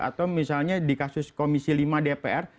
atau misalnya di kasus komisi lima dpr